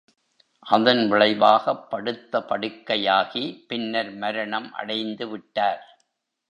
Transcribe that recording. அதன் விளைவாகப் படுத்த படுக்கையாகி, பின்னர் மரணம் அடைந்து விட்டார்.